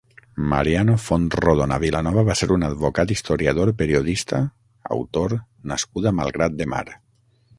Mariano Fontrodona Vilanova va ser un advocat, historiador, periodista, autor nascut a Malgrat de Mar.